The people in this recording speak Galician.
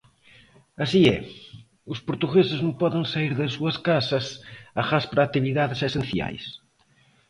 Así é, os portugueses non poden saír das súas casas agás para actividades esenciais.